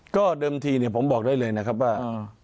ก็เดิมทีผมบอกได้เลยนะครับว่า